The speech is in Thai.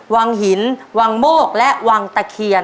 วังหินวังโมกและวังตะเคียน